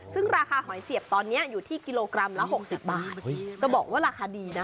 ซึ่งราคาหอยเสียบตอนนี้อยู่ที่กิโลกรัมละ๖๐บาทก็บอกว่าราคาดีนะ